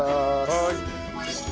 はい。